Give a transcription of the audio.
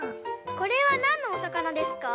これはなんのおさかなですか？